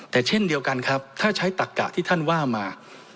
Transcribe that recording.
แต่เช่นเดียวกันครับถ้าใช้ตักกะที่ท่านว่ามา